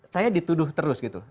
saya dituduh terus gitu